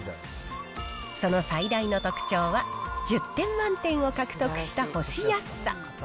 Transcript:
その最大の特徴は、１０点満点を獲得した干しやすさ。